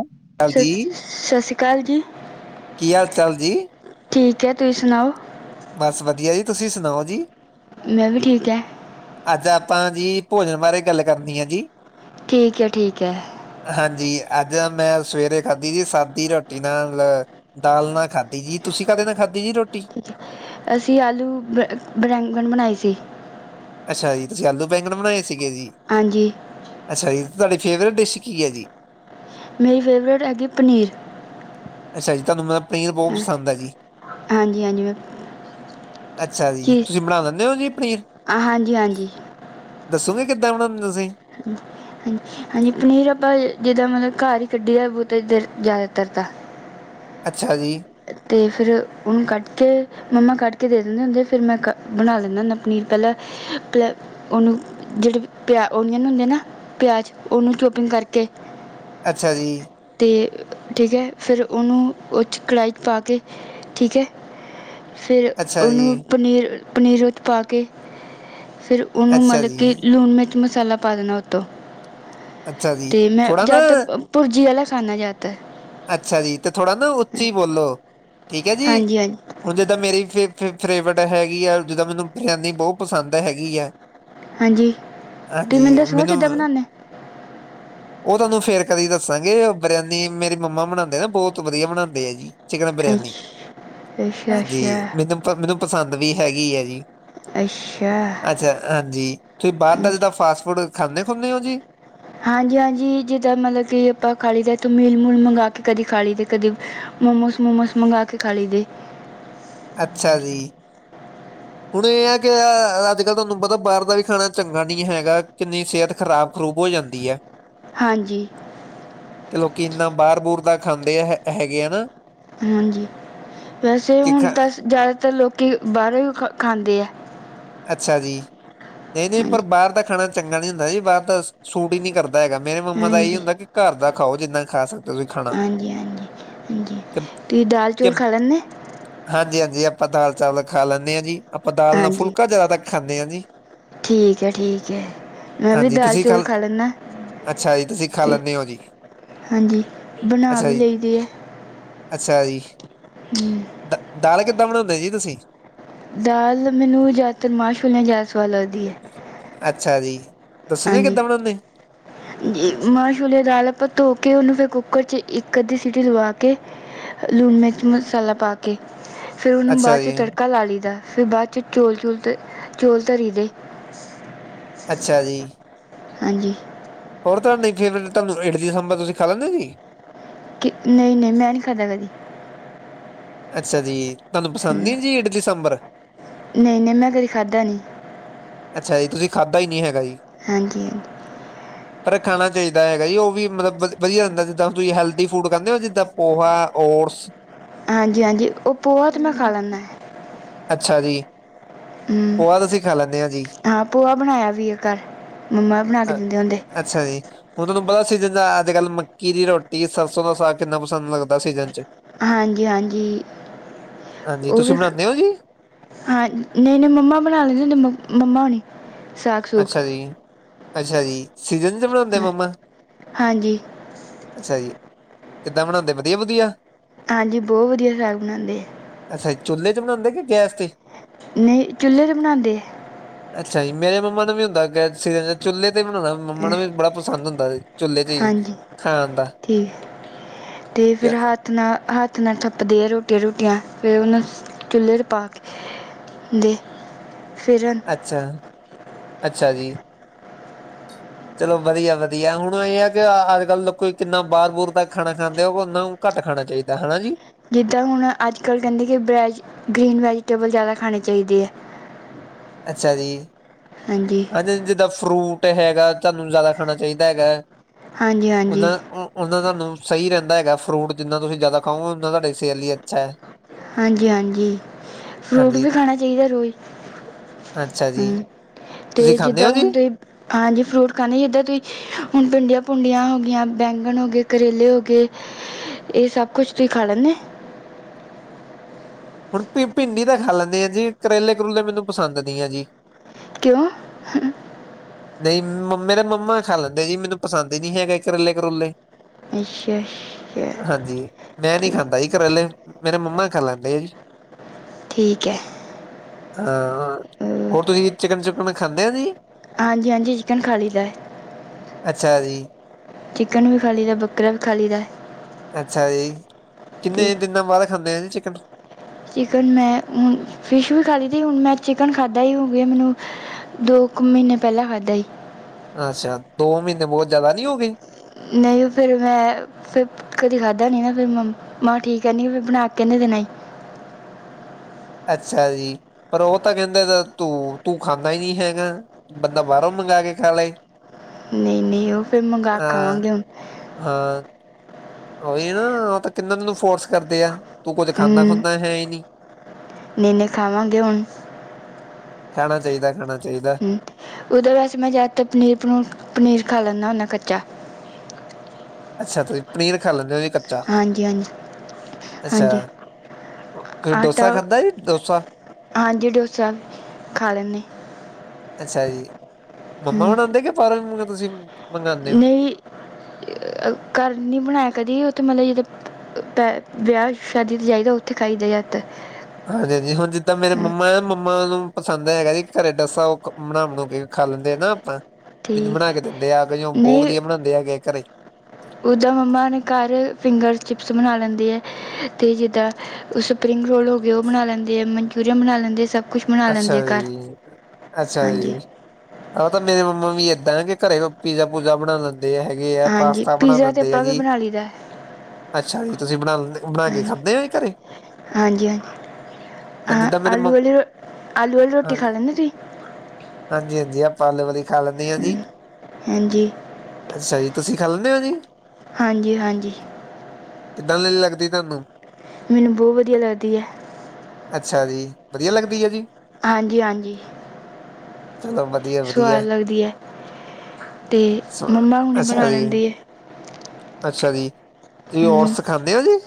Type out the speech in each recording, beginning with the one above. ਚਾਲ ਜੀ ਸਤਿ ਸ਼੍ਰੀ ਅਕਾਲ ਜੀ। ਕੀ, ਹਾਲ -ਚਾਲ ਜੀ? ਠੀਕ ਹੈ, ਤੁਸੀਂ ਸੁਣਾਓ। ਬਸ ਵਧੀਆ ਜੀ, ਤੁਸੀਂ ਸੁਣਾਓ ਜੀ। ਮੈਂ ਵੀ, ਠੀਕ ਹੈ। ਅੱਜ ਆਪਾਂ ਜੀ, ਭੋਜਨ ਬਾਰੇ ਗੱਲ ਕਰਨੀ ਆ ਜੀ। ਠੀਕ ਹੈ, ਠੀਕ ਹੈ। ਹਾਂਜੀ, ਅੱਜ ਮੈਂ ਸਵੇਰੇ ਖਾਦੀ ਸੀ, ਸਾਦੀ ਰੋਟੀ ਨਾਲ ਦਾਲ ਨਾਲ, ਖਾਦੀ ਜੀ, ਤੁਸੀਂ ਕਾਹਦੇ ਨਾਲ ਖਾਦੀ ਜੀ ਰੋਟੀ? [unintelligible] ਅਸੀਂ, ਆਲੂ ਬਰੈੰਗਣ ਬਣਾਏ ਸੀ। ਅੱਛਾ ਜੀ, ਤੁਸੀਂ ਆਲੂ ਬੈਂਗਣ ਬਣਾਏ ਸੀਗੇ ਜੀ। ਹਾਂਜੀ। ਅੱਛਾ ਜੀ, ਤੁਹਾਡੀ ਫੇਵਰੇਟ ਡਿਸ਼ ਕੀ ਹੈ ਜੀ? ਮੇਰੀ, ਫੇਵਰੇਟ ਹੈਗੀ ਪਨੀਰ। ਅੱਛਾ ਜੀ, ਤੁਹਾਨੂੰ ਮਤਲਬ ਪਨੀਰ ਬਹੁਤ ਹਾਂ, ਪਸੰਦ ਹੈ ਜੀ? ਹਾਂਜੀ -ਹਾਂਜੀ। ਅੱਛਾ ਜੀ, ਚੀਜ਼ ਤੁਸੀਂ ਬਣਾ ਦਿੰਦੇ ਹੋ ਜੀ ਪਨੀਰ। ਹਾਂ, ਹਾਂਜੀ ਹਾਂਜੀ ਦੱਸੋਗੇ, ਕਿੱਦਾਂ ਬਣਾਉਂਦੇ ਹੋ ਤੁਸੀਂ? ਹਾਂ, ਹਾਂਜੀ। ਹਾਂਜੀ ਪਨੀਰ ਆਪਾਂ ਜਿੱਦਾਂ ਮਤਲਬ ਘਰ ਹੀ ਕੱਢੀ ਦਾ ਬਹੁਤਾ ਜ਼ਿਆਦਾਤਰ ਤਾਂ ਅੱਛਾ ਜੀ। ਅਤੇ ਫਿਰ ਹੁਣ ਕੱਢ ਕੇ ਮੰਮਾ ਕੱਢ ਕੇ ਦੇ ਦਿੰਦੇ ਹੁੰਦੇ, ਫਿਰ ਮੈਂ ਬਣਾ ਲੈਂਦਾ ਹੁੰਦਾ ਪਨੀਰ ਪਹਿਲਾਂ ਪ ਉਹਨੂੰ ਜਿਹੜੇ ਪਿਆ ਓਨੀਅਨ ਹੁੰਦੇ ਨਾ ਪਿਆਜ਼ ਉਹਨੂੰ ਚੋਪਿੰਗ ਕਰਕੇ ਅੱਛਾ ਜੀ। ਅਤੇ ਠੀਕ ਹੈ, ਫਿਰ ਉਹਨੂੰ ਉਹ ਚ ਕੜਾਹੀ ਪਾ ਕੇ ਠੀਕ ਹੈ, ਫਿਰ ਅੱਛਾ ਉਹਨੂੰ ਜੀ ਪਨੀਰ ਪਨੀਰ ਵਿੱਚ ਪਾ ਕੇ, ਫੇਰ ਉਹਨੂੰ ਅੱਛਾ ਮਤਲਬ ਕਿ ਜੀ ਲੂਣ ਮਿਰਚ ਮਸਾਲਾ ਪਾ ਦੇਣਾ ਤੋ, ਅੱਛਾ ਜੀ ਤੇ ਮੈਂ ਥੋੜਾ ਨਾ ਜ਼ਿਆਦਾਤਰ ਭੁਰਜੀ ਵਾਲਾ, ਖਾਨਾ ਜ਼ਿਆਦਤਰ। ਅੱਛਾ ਜੀ, ਤੇ ਥੋੜਾ ਨਾ ਉੱਚੀ ਬੋਲੋ ਠੀਕ ਹੈ ਜੀ। ਹਾਂਜੀ ਹਾਂਜੀ ਹੁਣ ਜਿੱਦਾਂ ਮੇਰੀ ਫੇਵਰੇਟ ਹੈਗੀ ਆ, ਜਿੱਦਾਂ ਮੈਨੂੰ ਬਿਰਿਆਨੀ ਬਹੁਤ ਪਸੰਦ ਹੈਗੀ ਆ। ਹਾਂਜੀ, ਤੁਸੀਂ ਮੈਨੂੰ ਦੱਸੋਗੇ ਕਿੱਦਾਂ ਬਣਾਉਦੇ? ਉਹ ਤੁਹਾਨੂੰ ਫੇਰ ਕਦੇ ਦੱਸਾਂਗੇ, ਬਿਰਿਆਨੀ ਮੇਰੀ ਮੰਮਾ ਬਣਾਉਂਦੇ ਆ, ਬਹੁਤ ਵਧੀਆ ਬਣਾਉਂਦੇ ਆ ਜੀ। ਚਿਕਨ ਅੱਛ ਬਿਰਯਾਨੀ, ਅੱਛਾ ਅੱਛਾ ਹਾਂਜੀ ਮੈਨੂੰ- ਮੈਨੂੰ ਪਸੰਦ ਵੀ ਹੈਗੀ ਆ ਜੀ। ਅੱਛਾ ਅੱਛਾ ਹਾਂਜੀ, ਤੁਸੀਂ ਬਾਹਰ ਦਾ ਹਾਂਜੀ ਜਿੱਦਾਂ ਫਾਸਟ ਫੂਡ ਖਾਂਦੇ ਹੁੰਦੇ ਹੋ ਜੀ? ਹਾਂਜੀ- ਹਾਂਜੀ, ਜਿੱਦਾਂ ਮਤਲਬ ਕਿ ਆਪਾਂ ਖਾਲੀ ਦਾਥ ਮੀਲ ਮੂਲ ਮੰਗਾ ਕੇ ਕਦੇ ਖਾਲੀ ਤੇ ਕਦੇ। ਮੋਮੋਸ- ਮੋਮੋਸ ਮੰਗਵਾ ਕੇ ਖਾ ਲਿੱਦੇ। ਅੱਛਾ ਜੀ। ਹੁਣ ਇਹ ਹੈ ਕਿ ਅੱਜ ਕੱਲ ਪਤਾ ਬਾਹਰ ਦਾ ਵੀ ਖਾਣਾ ਚੰਗਾ ਨੀ ਹੈਗਾ, ਕਿੰਨੀ ਸਿਹਤ ਖ਼ਰਾਬ। ਖ਼ਰੂਬ ਹੋ ਜਾਂਦੀ ਹੈ। ਹਾਂਜੀ ਤੇ ਲੋਕੀ ਇੰਨਾ ਬਾਹਰ ਬੂਹਰ ਦਾ ਖਾਂਦੇ ਹੈ ਹੈਗੇ ਆ ਨਾ ਹਾਂਜੀ, ਵੈਸੇ ਕਿ ਖ ਹੁਣ ਤਾਂ ਜ਼ਿਆਦਾਤਰ ਲੋਕੀ ਬਾਹਰੋਂ ਹੀ ਖ ਖਾਂਦੇ ਹੈ। ਅੱਛਾ ਜੀ ਨਹੀਂ, ਨਹੀਂ ਪਰ ਹਾਂਜੀ ਬਾਹਰ ਦਾ ਖਾਣਾ ਚੰਗਾ ਨਹੀਂ ਹੁੰਦਾ ਜੀ ਬਾਹਰ ਦਾ ਸੂਟ ਹੀ ਨਹੀਂ ਕਰਦਾ। ਹੈਗਾ। ਮੇਰੇ ਮੰਮਾ ਦਾ ਇਹੀ ਹਾਂਜੀ ਹੁੰਦਾ ਕਿ ਘਰ ਦਾ ਖਾਓ ਜਿਨ੍ਹਾਂ ਖਾ ਸਕ ਹਾਂਜੀ, ਹਾਂਜੀ, ਹਾਂਜੀ ਕਿ ਤੁਸੀਂ ਦਾਲ ਕਿ ਚੌਲ ਖਾ ਲੈਂਦੇ? ਹਾਂਜੀ, ਹਾਂਜੀ ਆਪਾਂ ਦਾਲ ਚਾਵਲ ਖਾ ਲੈਂਦੇ ਹਾਂ ਜੀ, ਆਪਾਂ ਦਾਲ ਨਾਲ ਹਾਂਜੀ ਫੁਲਕਾ ਜਿਆਦਾ ਤੱਕ ਖਾਂਦੇ ਹਾਂ ਜੀ। ਠੀਕ ਹੈ, ਠੀਕ ਹੈ ਮੈਂ ਵੀ ਹਾਂਜੀ ਦਾਲ ਤੁਸੀਂ ਚੌਲ ਖਾ ਲੈਂਣਾ ਅੱਛਾ ਜੀ ਤੁਸੀਂ ਖਾ ਤੇ ਲੈਂਦੇ ਹੋ ਜੀ ਹਾਂਜੀ ਬਣਾ ਅੱਛਾ ਵੀ ਜੀ ਲਈ ਦੀ ਹੈ। ਅੱਛਾ ਜੀ ਹਮ ਦ ਦਾਲ ਕਿੱਦਾਂ ਬਣਾਉਂਦੇ ਜੀ ਤੁਸੀਂ? ਦਾਲ ਮੈਨੂੰ ਜ਼ਿਆਦਾਤਰ ਮਾਸ਼ੋਲਿਆ ਜ਼ਿਆਦਾ ਸਵਾਦ ਲੱਗਦੀ ਹੈ। ਅੱਛਾ ਜੀ, ਦੱਸੂਗੇੇ ਹਾਂਜੀ ਕਿੱਦਾਂ ਬਣਾਉਦੇ। ਮਾਂ ਛੋਲੇ ਦਾਲ ਆਪਾਂ ਧੋ ਕੇ ਉਹਨੂੰ ਫਿਰ ਕੁੱਕਰ ਚ ਇੱਕ ਅੱਧੀ ਸੀਟੀ ਲਵਾ ਕੇ ਲੂਣ ਮਿਰਚ ਮਸਾਲਾ ਪਾ ਕੇ ਫੇਰ ਉਹਨੂੰ ਅੱਛਾ ਬਾਅਦ ਚੋਂ ਜੀ ਤੜਕਾ ਲਾ ਲਈਦਾ। ਫਿਰ ਬਾਅਦ ਚੌਲ ਚੂਲ ਚੌਲ ਤਰੀ ਦੇ ਅੱਛਾ ਜੀ। ਹਾਂਜੀ ਹੋਰ ਤੁਹਾਨੂੰ ਫੇਵਰੇਟ ਤੁਹਾਨੂੰ ਇਡ ਦੀ ਸਾਂਬਰ ਤੁਸੀਂ ਖਾ ਲੈਂਦੇ ਜੀ। ਕਿ ਨਹੀਂ, ਨਹੀਂ ਮੈਂ ਨਹੀਂ ਖਾਦਾਂ ਕਦੀ। ਅੱਛਾ ਜੀ, ਤੁਹਾਨੂੰ ਪਸੰਦ ਹੂੰ। ਨਹੀਂ ਜੀ ਇਡਲੀਸਾਬਰ ਨਹੀਂ, ਨਹੀਂ ਮੈਂ ਕਦੀ ਖਾਧਾ ਨਹੀਂ। ਅੱਛਾ ਜੀ, ਤੁਸੀਂ ਖਾਧਾ ਹੀ ਨਹੀਂ ਹੈਗਾ ਜੀ। ਹਾਂਜੀ, ਹਾਂਜੀ। ਪਰ ਖਾਣਾ ਚਾਹੀਦਾ ਹੈਗਾ, ਜੀ ਉਹ ਵੀ ਮਤਲਬ ਵਧੀਆ ਰਹਿੰਦਾ ਜਿੱਦਾਂ ਤੁਸੀਂ ਹੈਲਥ ਫੂਡ ਖਾਂਦੇ ਹੋ ਜਿੱਦਾਂ ਪੋਹਾ, ਓਟਸ ਹਾਂਜੀ, ਹਾਂਜੀ ਉਹ ਪੋਹਾ ਤਾਂ ਮੈਂ ਖਾ ਹਮ ਲੈਂਦਾ ਹੈ। ਅੱਛਾ ਜੀ, ਪੋਹਾ ਤੁਸੀਂ ਖਾ ਲੈਂਦੇ। ਹਾਂ ਪੋਹਾ ਬਣਾਇਆ ਵੀ ਘਰ ਮੰਮਾ ਵੀ ਬਣਾ ਕੇ ਅ ਦਿੰਦੇ ਹੁੰਦੇ। ਅੱਛਾ ਜੀ [unintelligible] ਹੁਣ ਤੁਹਾਨੂੰ ਪਤਾ ਸੀਜ਼ਨ ਚ ਅੱਜ-ਕੱਲ ਮੱਕੀ ਦੀ ਰੋਟੀ ਸਰਸੋਂ ਦਾ ਸਾਗ ਕਿੰਨਾ ਪਸੰਦ ਲੱਗਦਾ ਸੀਜਨ ਚ। ਹਾਂਜੀ ਹਾਂਜੀ ਹਾਂਜੀ ਉਹ ਤੁਸੀਂ ਵੀ ਬਣਾਉਂਦੇ ਹੋ ਜੀ ਹਾਂ ਨਹੀਂ -ਨਹੀਂ ਮੰਮਾ ਬਣਾ ਲੈਂਦੇ ਹੁੰਦੇ ਮੰਮਾ ਹੋਣੀ ਸਾਗ ਸੂਗ ਅੱਛਾ ਜੀ, ਅੱਛਾ ਜੀ। ਸੀਜਨ ਚ ਬਣਾਉਂਦੇ ਹਾਂ, ਮੰਮਾ ਹਾਂਜੀ ਅੱਛਾ ਜੀ, ਕਿੱਦਾਂ ਬਣਾਉਂਦੇ ਵਧੀਆ- ਵਧੀਆ ਹਾਂਜੀ, ਬਹੁਤ ਵਧੀਆ ਸਾਗ ਬਣਾਉਂਦੇ। ਅੱਛਾ ਚੁੱਲੇ ਚ ਬਣਾਉਂਦੇ ਕਿ ਗੈਸ ਤੇ ਨਹੀਂ ਚੁੱਲ੍ਹੇ ਤੇ ਬਣਾਉਦੇ ਅੱਛਾ ਜੀ, ਮੇਰੇ ਮੰਮਾ ਨੂੰ ਵੀ ਹੁੰਦਾ ਚੁੱਲੇ ਤੇ ਬਣਾਉਣਾ ਮੰਮਾ ਨੂੰ ਵੀ ਬੜਾ ਪਸੰਦ ਹੁੰਦਾ ਸੀ ਚੁਲੇੇ ਚ ਹੀ ਹਾਂਜੀ ਖਾਣ ਦਾ। ਤੇ ਕਿਆ ਫਿਰ ਹਾਂ ਹੱਥ ਨਾਲ ਹੱਥ ਨਾਲ ਥੱਪਦੇ ਆ ਰੋਟੀਆਂ ਰੂਟੀਆਂ ਫਿਰ ਉਹਨੂੰ ਚੁੱਲ੍ਹੇ ਪਾ ਕੇ ਦੇ ਫਿਰਣ [unintelligible] ਅੱਛਾ ਅੱਛਾ ਜੀ। [inaudible] ਚਲੋ ਵਧੀਆ ਵਧੀਆ ਹੁਣ ਇਹ ਹੈ ਕਿ ਅੱਜ ਕੱਲ੍ਹ ਲੋਕ ਕਿੰਨਾ ਬਾਹਰ ਬੂਰ ਦਾ ਖਾਣਾ ਖਾਂਦੇ ਹੋ ਉਹਨਾ ਘੱਟ ਖਾਣਾ ਚਾਹੀਦਾ ਹੈਨਾ ਜੀ ਜਿੱਦਾਂ ਹੁਣ ਅੱਜ ਕੱਲ੍ਹ ਕਹਿੰਦੇ ਕਿ ਵੈਜ ਗ੍ਰੀਨ ਵੈਜੀਟੇਬਲ ਜ਼ਿਆਦਾ ਖਾਣੇ ਚਾਹੀਦੇ ਹੈ [inaudible] ਅੱਛਾ ਜੀ ਹਾਂਜੀ ਹਾਂ ਫਰੂਟ ਹੈਗਾ ਤੁਹਾਨੂੰ ਜ਼ਿਆਦਾ ਖਾਣਾ ਚਾਹੀਦਾ ਹੈਗਾ ਹਾਂਜੀ ਹਾਂਜੀ ਉਹਨਾਂ ਉਹਨਾ ਤੁਹਾਨੂੰ ਸਹੀ ਰਹਿੰਦਾ ਹੈਗਾ ਫਰੂਟ ਜਿੰਨਾ ਤੁਸੀਂ ਜ਼ਿਆਦਾ ਖਾਓਗੇ ਉਹਨਾ ਤੁਹਾਡੀ ਸਿਹਤ ਲਈ ਅੱਛਾ ਹੈ ਹਾਂਜੀ ਹਾਂਜੀ ਫਰੂਟ ਹਾਂਜੀ ਵੀ ਖਾਣਾ ਚਾਹੀਦਾ ਰੋਜ਼ ਅੱਛਾ ਜੀ ਹਮ ਤੁਸੀਂ ਤੇ ਖਾਂਦੇ ਜਿੱਦਾਂ ਹੋ ਜੀ ਹੁਣ ਤੇ ਹਾਂਜੀ ਫਰੂਟ ਖਾਣੇ ਜਿੱਦਾਂ ਤੁਸੀਂ [unintelligible] ਹੁਣ ਭਿੰਡੀਆਂ ਭੁੰਡੀਆਂ ਹੋ ਗਈਆਂ ਬੈਂਗਣ ਹੋ ਗਏ ਕਰੇਲੇ ਹੋ ਗਏ ਇਹ ਸਭ ਕੁੱਛ ਤੁਸੀਂ ਖਾ ਲੈਂਦੇ ਹੁਣ ਭਿੰਡੀ ਤਾਂ ਖਾ ਲੈਂਦੇ ਆ ਜੀ ਕਰੇਲੇ ਕਰੁਲੇ ਮੈਨੂੰ ਪਸੰਦ ਨਹੀ ਹੈ ਜੀ ਕਿਉਂ ਨਹੀਂ ਮੇਰੇ ਮੰਮਾ ਖਾ ਲੈਂਦੇ ਜੀ ਮੈਨੂੰ ਪਸੰਦ ਹੀ ਨਹੀਂ ਹੈਗੇ ਕਰੇਲੇ ਕਰੂਲੇ ਅੱਛਾ ਅੱਛਾ ਹਾਂਜੀ ਮੈਂ ਨੀ ਠੀਕ ਖਾਂਦਾ ਸੀ ਕਰੇਲੇ ਮੇਰੇ ਮੰਮਾ ਖਾ ਲੈਂਦੇ ਆ ਜੀ ਠੀਕ ਹੈ ਹਾਂ ਹੋਰ ਤੁਸੀਂ ਚਿਕਨ ਚੁਿਕਨ ਖਾਂਦੇ ਆ ਜੀ ਹਾਂਜੀ ਹਾਂਜੀ ਚਿਕਨ ਖਾ ਲਈ ਦਾ ਹੈ ਅੱਛਾ ਜੀ ਚਿਕਨ ਵੀ ਖਾ ਲਈ ਦਾ ਬੱਕਰਾ ਵੀ ਖਾ ਲਈ ਦਾ ਅੱਛਾ ਜੀ ਕਿੰਨੇ ਦਿਨਾਂ ਬਾਅਦ ਖਾਂਦੇ ਆ ਜੀ ਚਿਕਨ ਚਿਕਨ ਮੈਂ ਹੁਣ ਫਿਸ਼ ਵੀ ਖਾ ਲਈ ਤ ਹੁਣ ਮੈਂ ਚਿਕਨ ਖਾਧਾ ਹੀ ਹੋ ਗਿਆ ਮੈਨੂੰ [unintelligible] ਦੋ ਕੁ ਮਹੀਨੇ ਪਹਿਲਾਂ ਖਾਧਾ ਸੀ ਅੱਛਾ ਦੋ ਮਹੀਨੇ ਬਹੁਤ ਜਿਆਦਾ ਨਹੀ ਹੋ ਗਏ ਨਹੀਂ ਫਿਰ ਮੈਂ ਫਿਰ ਕਦੇ ਖਾਧਾ ਨ ਨਾ ਫਿਰ ਮ ਮੈਂ ਠੀਕ ਕਰਨੀ ਫਿਰ ਬਣਾ ਕੇ ਕਹਿੰਦੇ ਦਿਣਾਈ [unintelligible] ਅੱਛਾ ਜੀ ਪਰ ਉਹ ਤਾਂ ਕਹਿੰਦੇ ਤੂੰ ਤੂੰ ਖਾਂਦਾ ਹੀ ਨਹੀਂ ਹੈਗਾ ਬੰਦਾ ਬਰਮਗਾ ਗ ਕਾਲ [unintelligible] ਨਹੀਂ ਨਹੀਂ ਉਹ ਫੇਿਰ [unintelligible] [unintelligible] ਮੰਗ ਹਾਂ ਖਵਾਂਗੇ ਹੁਣ ਹਾਂ ਓਹੀ ਨਾ ਉਹ ਤਾਂ ਕਿੰਨਾਨੂੰ ਫੋਰਸ [unintelligible] ਕਰਦੇ ਆ ਤੂੰ ਕੁੱਝ ਹੂੰ ਖਾਂਦਾ ਹੈ ਹੀ ਨਹੀਂ ਨਹੀਂ ਨਹੀਂ ਖਾਵਾਂਗੇ ਹੁਣ ਖਾਣਾ ਚਾਹੀਦਾ ਖਾਣਾ ਚਾਹੀਦਾ ਉਹਦੇ ਵਾਸ ਮੈਂ ਜ਼ਿਆਦਾਤਰ ਪਨੀਰ ਪਨੀਰ ਖਾ ਲੈਂਦਾ ਹੁੰਦਾ ਕੱਚਾ [unintelligible] ਅੱਛਾ ਤੁਸੀਂ ਪਨੀਰ ਖਾ ਲੈਂਦੇ ਕੱਚਾ ਹਾਂਜੀ ਹਾਂਜੀ ਅੱਛਾ ਹਾਂਜੀ ਤੁਸੀਂ ਡੋਸਾ ਆਟਾ ਖਾਧਾ ਜੀ ਡੋਸਾ ਹਾਂਜੀ ਡੋਸਾ ਖਾ ਲੈਂਦੇ ਅੱਛਾ ਜੀ ਮੰਮਾ ਹਮ, ਹੁਣ ਆਉਂਦੇ ਕਿ ਪਰ ਤੁਸੀਂ [unintelligible] ਹੋ ਨਹੀਂ ਘਰ ਨਹੀਂ ਬਣਾਇਆ ਕਦੀ ਉਹ ਮਤਲਬ ਜਿੱਦਾਂ ਤੇ ਵਿਆਹ ਸ਼ਾਦੀ ਤੇ ਜਾਈਦਾ ਉੱਥੇ ਖਾਈਦਾ ਜਿਆਦਾਤਰ। ਹਾਂਜੀ, ਹਾਂਜੀ ਹੁਣ ਜਿੱਦਾਂ ਮੇਰੇ ਮੰਮਾ ਮੰਮਾ ਨੂੰ ਪਸੰਦ ਹੈਗਾ ਜੀ ਘਰੇ ਦੱਸਾ ਬਣਾਉਣ ਬ ਖਾ ਲੈਂਦੇ ਆ ਨਾ ਆਪਾਂ ਮੈਨੂੰ ਠੀਕ ਬਣਾ ਹੈ। ਕੇ ਦਿੰਦੇ ਆ ਬਹੁਤ ਵਧੀਆ ਬਣਾਉਂਦੇ ਹੈਗੇ ਘਰੇ। ਉੱਦਾਂ ਮੰਮਾ ਨੇ ਘਰ ਫਿੰਗਰ ਚਿਪਸ ਬਣਾ ਲੈਂਦੇ ਆ ਅਤੇ ਜਿੱਦਾਂ। ਸਪਰਿੰਗ ਰੋਲ ਹੋ ਗਏ ਉਹ ਬਣਾ ਲੈਂਦੇ ਮਨਚੂਰੀਅਨ ਬਣਾਈ ਲੈਂਦੇ ਸਭ। ਕੁਝ ਬਣਾ ਅੱਛਾ ਲੈਂਦੇ ਹੈ ਘਰ ਜੀ ਅੱਛਾ ਹਾਂਜੀ ਜੀ। ਆਹ ਤਾਂ ਮੇਰੇ ਮੰਮਾ ਵੀ ਇਦਾਂ ਕਿ ਘਰੇ ਕੋਈ ਪੀਜ਼ਾ ਪੂਜਾ ਬਣਾ ਲੈਂਦੇ। ਦੇ ਹੈਗੇ ਆ ਹਾਂਜੀ ਪਾਸਤਾ ਬਣਾ ਪੀਜ਼ਾ ਤੇ ਦਿੰਦੇ ਆ ਆਪਾਂ ਵੀ ਜੀ। ਬਣਾ ਲਈਦਾ ਹੈ। ਅੱਛਾ ਜੀ, ਤੁਸੀਂ ਬਣਾ ਲੈਂਦੇ ਬਣਾ ਕੇ ਹਾਂਜੀ ਖਾਂਦੇ ਹੋ ਜੀ ਘਰੇ? ਹਾਂਜੀ, ਹਾਂਜੀ ਹਾਂ ਜਿੱਦਾਂ ਮੇਰੇ ਆਲੂ ਮੰਮ ਵਾਲੀ ਆਲੂ ਵਾਲੀ ਰੋਟੀ ਹਾਂ- ਖਾ ਲੈਂਦੇ ਤੁਸੀਂ? ਹਾਂਜੀ, ਹਾਂਜੀ ਆਪਾ ਆਲੂ ਵਾਲੀ ਖਾ ਲੈਂਦੇ ਹਾਂ ਜੀ। ਹਾਂਜੀ ਅੱਛਾ ਜੀ, ਤੁਸੀਂ ਖਾ ਲੈਂਦੇ ਹੋ ਜੀ? ਹਾਂਜੀ ਹਾਂਜੀ। ਕਿੱਦਾਂ ਦੀ ਲੱਗਦੀ ਤੁਹਾਨੂੰ? ਮੈਨੂੰ ਬਹੁਤ ਵਧੀਆ ਲੱਗਦੀ ਹੈ। ਅੱਛਾ ਜੀ, ਵਧੀਆ ਲੱਗਦੀ ਹੈ ਜੀ? ਹਾਂਜੀ ਹਾਂਜੀ। ਚਲੋ ਵਧੀਆਂ। ਵਧੀਆ ਸਵਾਦ ਲੱਗਦੀ ਹੈ ਤੇ ਵਧੀਆ ਮੰਮਾ ਹੁਣੀ ਅੱਛਾ ਬਣਾ ਜੀ। ਲੈਂਦੀ ਹੈ ਅੱਛਾ ਜੀ, ਤੁਸੀਂ ਹਮ ਔਟਸ ਖਾਂਦੇ ਔ ਜੀ?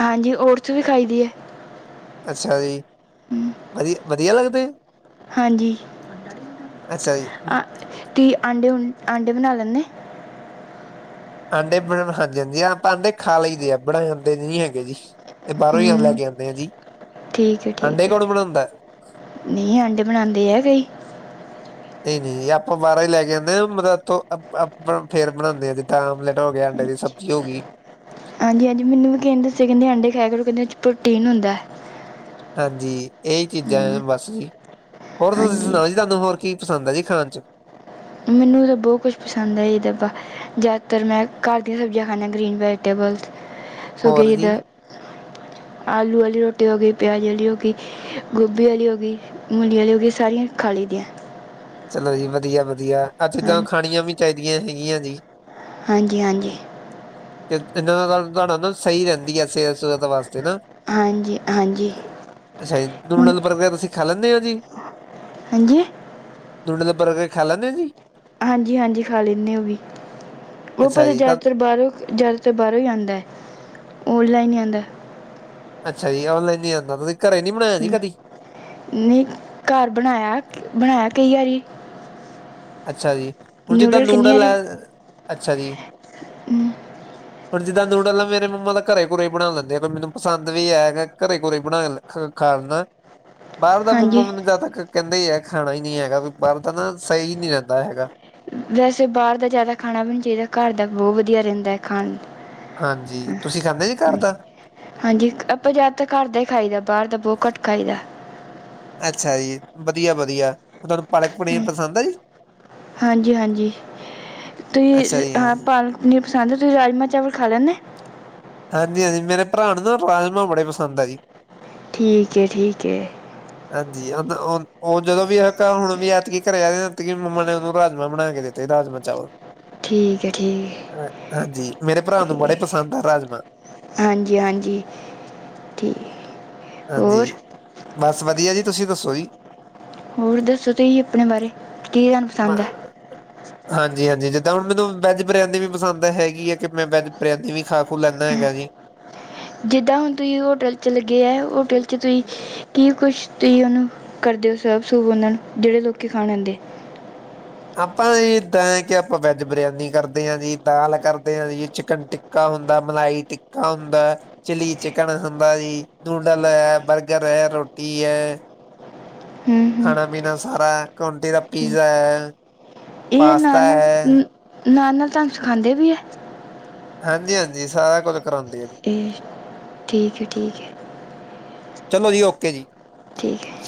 ਹਾਂਜੀ, ਔਟਸ ਵੀ ਖਾਈ ਦੇ ਹੈ। ਅੱਛਾ ਜੀ, ਹਮ ਵਧੀਆ ਵਧੀਆ ਲੱਗਦੇ। ਹਾਂਜੀ, ਅੱਛਾ ਜੀ ਅਮ, ਆ ਤੁਸੀਂ ਆਂਡੇ ਆਂਡੇ ਬਣਾ ਲੈਂਦੇ? ਆਂਡੇ ਬਣ ਹਾਂਜੀ ਹਾਂਜੀ ਆਪਾਂ ਆਂਡੇ ਖਾ ਲਈਦੇ ਆ ਬਣਾਓਣੇ ਆਦੇ ਨੀ ਹੈਗੇ ਜੀ। ਇਹ ਬਾਹਰੋਂ ਇ ਲੈ ਹਮ ਕੇ ਆਉਂਦੇ ਆ ਜੀ ਠੀਕ ਹੈ ਆਂਡੇ ਠੀਕ ਹੈ ਕੌਣ ਬਣਾਉਂਦਾ? ਨਹੀਂ ਅੰਡੇ ਬਣਾਉਂਦੇ ਹੈ ਕਈ। ਨਹੀਂ ਨਹੀਂ ਆਪਾਂ ਬਾਹਰੋ ਹੀ ਲੈ ਕੇ ਆਉਦੇ ਹਾਂ ਮਤਲਬ ਇੱਥੋਂ ਆਪਾਂ ਫੇਰ ਬਣਾਉਂਦੇ ਹਾਂ ਜਿੱਦਾਂ ਆਮਲੇਟ ਹੋ ਗਿਆ। ਜਿਓਗੀ। ਹਾਂਜੀ, ਹਾਂਜੀ ਮੈਨੂੰ ਵੀ ਕਹਿੰਦੇ ਸੀ ਕਹਿੰਦੇ ਆਂਡੇ ਖਾਇਆ ਕਰੋ ਕਹਿੰਦੇ ਇਹਦੇ ਵਿੱਚ ਪ੍ਰੋਟੀਨ ਹੁੰਦਾ। ਹਾਂਜੀ ਇਹ ਹੀ ਚੀਜ਼ਾਂ ਹਮ ਬਸ ਜੀ। ਹੋਰ ਤੁਸੀਂ ਹਾਂਜੀ ਸੁਣਾਓ ਜੀ? ਤੁਹਾਨੂੰ ਹੋਰ ਕੀ ਪਸੰਦ ਹੈ ਜੀ ਖਾਣ ਚ। ਮੈਨੂੰ ਤਾਂ ਬਹੁਤ ਕੁਛ ਪਸੰਦ ਆ ਇਹ ਦੱਬਾ ਜ਼ਿਆਦਾਤਰ ਮੈਂ ਘਰ ਦੀਆਂ ਸਬਜ਼ੀਆਂ ਖਾਂਦਾ, ਗ੍ਰੀਨ ਵੈਜੀਟੇਬਲ ਹੋਰ ਜੀ [inaudible] ਆਲੂ ਵਾਲੀ ਰੋਟੀ ਹੋ ਗਈ ਪਿਆਜ ਵਾਲੀ ਹੋ ਗਈ। ਗੋਭੀ ਵਾਲੀ ਹੋ ਗਈ ਮੂਲੀ ਵਾਲੀ ਹੋ ਗਈ ਸਾਰੀਆਂ ਖਾ ਲਈ ਦੀਆਂ। ਚਲੋ ਜੀ ਵਧੀਆ, ਵਧੀਆ ਅੱਛਾ ਚਲ ਹਾਂ- ਖਾਣੀਆਂ ਵੀ ਚਾਹੀਦੀਆਂ ਹੈਗੀਆਂ ਜੀ। ਹਾਂਜੀ ਹਾਂਜੀ। ਤੇ ਇਨਾਂ ਤੁਹਾਡਾ ਨਾ ਸਹੀ ਰਹਿੰਦੀ ਹੈ ਸਿਹਤ ਸੁਹਤ ਵਾਸਤੇ ਨਾ। ਹਾਂਜੀ ਹਾਂਜੀ। ਅੱਛਾ ਜੀ ਹੁਣ- ਨੂਡਲ ਬਰਗਰ ਤੁਸੀਂ ਖਾ ਲੈਂਦੇ ਹੋ ਜੀ? ਹਾਂਜੀ ਨੂਡਲ ਬਰਗਰ ਖਾ ਲੈਂਦੇ ਜੀ ਹਾਂਜੀ ਹਾਂਜੀ ਖਾ ਲੈਂਦੇ ਹੋ ਵੀ ਉਹ ਅੱਛਾ ਪਰ ਜੀ ਤਾਂ ਜ਼ਿਆਦਾਤਰ ਬਾਹਰੋਂ ਜ਼ਿਆਦਾ ਤਾਂ ਬਾਹਰੋਂ ਹੀ ਆਉਂਦਾ ਆਨਲਾਈਨ ਹੀ ਆਉਂਦਾ ਅੱਛਾ ਜੀ, ਔਨਲਾਈਨ ਨੀ ਆਂਦਾ ਤੁਸੀ ਘਰੇ ਨੀ ਬਣਾਇਆ ਜੀ ਹਮ, ਕਦੀ? ਨਹੀਂ ਘਰ ਬਣਾਇਆ ਬਣਾਇਆ ਕਈ ਵਾਰੀ। ਅੱਛਾ ਜੀ, ਹੁਣ ਜਿੱਦਾਂ ਨਿਊਡਲ ਨੂਡਲ ਹੈ ਅੱਛਾ ਜੀ। ਹਮ ਹੁਣ ਜਿੱਦਾਂ ਨੂਡਲ ਮੇਰੇ ਮੰਮਾ ਤਾ ਘਰੇ ਘੁਰੇ ਹੀ ਬਣਾ ਲੈਂਦੇ ਆ ਮੈਨੂੰ ਪਸੰਦ ਵੀ ਹੈਗਾ ਘਰੇ ਘਰੇੋਂ ਹੀ ਬਣਾ ਲੈ। ਖਾਨਾ। ਬਾਹਰ ਦਾ ਮੰਮਾ ਹਾਂਜੀ ਮੈਨੂੰ ਜਿਆਦਾਤਰ ਕਹਿੰਦੇ ਹੀ ਹੈ ਖਾਣਾ ਹੀ ਨਹੀਂ ਹੈਗਾ ਬਾਹਰ ਦਾ ਨਾ ਸਹੀ। ਨਹੀਂ ਰਹਿੰਦਾ ਹੈਗਾ। ਵੈਸੇ ਬਾਹਰ ਦਾ ਜ਼ਿਆਦਾ ਖਾਣਾ ਵੀ ਨਹੀਂ ਚਾਹੀਦਾ ਘਰ ਦਾ ਬਹੁਤ ਵਧੀਆ ਰਹਿੰਦਾ ਹੈ ਖਾਣ। ਹਾਂਜੀ ਤੁਸੀਂ ਖਾਂਦੇ ਜੀ ਘਰ ਹਾਂਜੀ ਦਾ? ਹਾਂਜੀ ਆਪਾਂ ਜਿਆਦਾ ਤਾਂ ਘਰ ਦਾ ਹੀ ਖਾਈਦਾ ਬਾਹਰ ਦਾ ਬਹੁਤ ਘੱਟ ਖਾਈ ਦਾ ਅੱਛਾ ਜੀ ਵਧੀਆ ਵਧੀਆ ਤੁਹਾਨੂੰ ਪਾਲਕ ਪਨੀਰ ਪਸੰਦ ਹੈ ਜੀ, ਹਾਂਜੀ ਹਾਂਜੀ ਅੱਛਾ ਤੁਸੀਂ ਜੀ ਹਾਂ ਪਾਲਕ ਹਾਂਜੀ ਪਸੰਦ ਤੁਸੀਂ ਰਾਜਮਾ-ਚਾਵਲ ਖਾ ਲੈਂਦੇ ਹਾਂਜੀ ਹਾਂਜੀ ਮੇਰੇ ਭਰਾ ਨੂੰ ਨਾ ਰਾਜਮਾ ਬੜੇ ਪਸੰਦ ਆ ਜੀ ਠੀਕ ਹੈ ਠੀਕ ਹੈ। ਹਾਂਜੀ ਉਹ ਉਹ ਜਦੋਂ ਵੀ ਹੁਣ ਵੀ ਐਤਕੀ ਘਰੇ ਆ ਮੰਮਾ ਨੇ ਉਹਨੂੰ ਰਾਜਮਾ ਬਣਾ ਕੇ ਦਿੱਤੇ ਰਾਜਮਾ ਚਾਵਲ, ਠੀਕ ਹੈ ਠੀਕ ਹੈ। ਅ ਹਾਂਜੀ ਮੇਰੇ ਭਰਾ ਨੂੰ ਬੜੇ ਪਸੰਦ ਆ ਰਾਜ ਹਾਂਜੀ ਹਾਂਜੀ। ਠੀਕ ਹਾਂਜੀ ਹੋਰ ਬਸ ਵਧੀਆ ਜੀ ਤੁਸੀਂ ਦੱਸੋ ਜੀ ਹੋਰ ਦੱਸੋ ਤੁਸੀਂ ਆਪਣੇ ਬਾਰੇ ਕੀ ਤੁਹਾਨੂੰ ਪਸੰਦ ਮ- ਹੈ ਹਾਂਜੀ ਹਾਂਜੀ ਜਿੱਦਾਂ ਹੁਣ ਮੈਨੂੰ ਵੈੱਜ ਬਿਰਯਾਨੀ ਵੀ ਪਸੰਦ ਹੈਗੀ ਹੈ ਕਿ ਮੈਂ ਵੈੱਜ ਬਿਆ ਵੀ ਖਾ ਲੈਂਦਾ ਹੈਗਾ ਜੀ ਜਿੱਦਾਂ ਹੁਣ ਤੁਸੀਂ ਹੋਟਲ 'ਚ ਲੱਗੇ ਹੈ ਹੋਟਲ 'ਚ ਤੁਸੀਂ ਕੀ ਕੁਛ ਤੁਸੀਂ ਉਹਨੂੰ ਕਰਦੇ ਹੋ ਸਬ ਸੂ ਉਹਨਾਂ ਨੂੰ ਜਿਹੜੇ ਲੋਕੀ ਖਾਣ ਆਦੇ, ਆਪਾਂ ਇਦਾਂ ਹੈ ਕਿ ਆਪਾਂ ਵੈੱਜ ਬਰਿਆਨੀ ਕਰਦੇ ਹਾਂ ਜੀ ਦਾਲ ਕਰਦੇ ਹਾਂ ਜੀ ਚਿਕਨ ਟ ਟਿੱਕਾ ਹੁੰਦਾ ਮਲਾਈ ਟਿੱਕਾ ਹੁੰਦਾ ਚਿਲੀ ਚਿਕਨ ਹੁੰਦਾ ਜੀ ਨੂਡਲ ਹੈ, ਬਰਗਰ ਹੈ ਰੋਟੀ ਹੈ। ਹੂੰ ਹੂੰ ਖਾਣਾ ਪੀਣਾ ਸਾਰਾ ਕੰਟੀ ਦਾ ਪੀਜ਼ਾ ਠੀਕ ਹੈ ਇਹ ਪਾਸਤਾ ਨਾਲ ਹੈ -ਨਾਲ ਤਾਂਨੂੰ ਸਿਖਾਂਦੇ ਵੀ ਹੈ। ਹਾਂਜੀ ਹਾਂਜੀ ਸਾਰਾ ਕੁੱਝ ਕਰਾਉਂਦੀਆਂ, ਅਤੇ ਠੀਕ ਹੈ ਠੀਕ ਹੈ। ਚਲੋ ਜੀ ਓਕੇ ਜੀ ਠੀਕ ਹੈ।